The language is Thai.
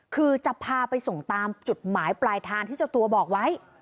คือจะพาไปส่งตามจุดหมายปลายทางที่เจ้าตัวบอกไว้